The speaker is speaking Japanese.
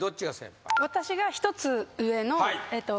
私が１つ上の。